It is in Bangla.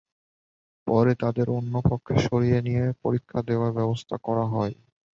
পরে তাদের অন্য কক্ষে সরিয়ে নিয়ে পরীক্ষা দেওয়ার ব্যবস্থা করা হয়।